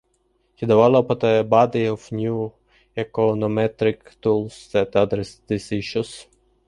He developed a body of new econometric tools that address these issues.